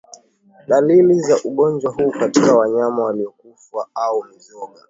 Dalili za ugonjwa huu katika wanyama waliokufa au mizoga